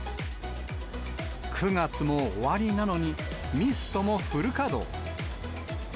９月も終わりなのに、ミストもフル稼働。